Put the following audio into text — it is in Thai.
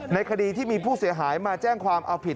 ในคดีที่มีผู้เสียหายมาแจ้งความเอาผิด